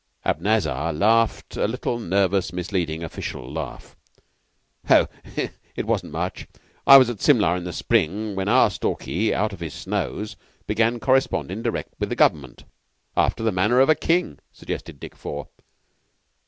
Abanazar laughed a little nervous, misleading, official laugh. "Oh, it wasn't much. I was at Simla in the spring, when our Stalky, out of his snows, began corresponding direct with the Government." "After the manner of a king," suggested Dick Four.